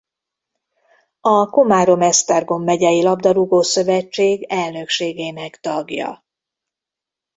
A Komárom-Esztergom Megyei Labdarúgó Szövetség elnökségének tagja.